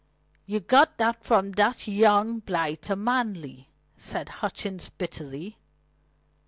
"You got that from that young blighter Manley," said Hutchings bitterly.